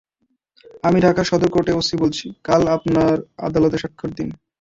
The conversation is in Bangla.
আমি ঢাকার সদর কোর্টের ওসি বলছি, কাল আপনার আদালতে সাক্ষ্যের দিন।